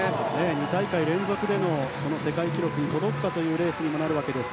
２大会連続での世界記録に届くかというレースにもなるわけです。